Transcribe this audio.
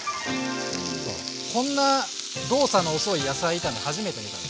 こんな動作の遅い野菜炒め初めて見た？